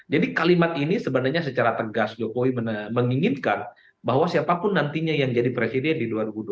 jadi kalimat ini sebenarnya secara tegas jokowi menginginkan bahwa siapapun nantinya yang jadi presiden di dua ribu dua puluh empat